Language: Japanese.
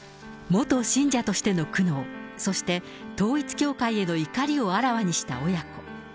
元信者としての苦悩、そして統一教会への怒りをあらわにした親子。